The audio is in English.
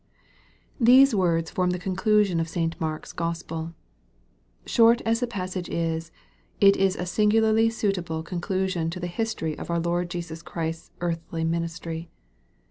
THESE words form the conclusion of St. Mark's Gospel. Short as the passage is, it is a singularly suitable con clusion to the history of our Lord Jesus Christ's earthly ministry.